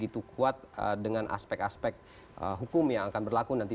kemudian ini juga tidak begitu kuat dengan aspek aspek hukum yang akan berlaku nanti